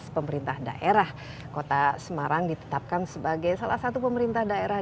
pemerintah daerah kota semarang ditetapkan sebagai salah satu pemerintah daerah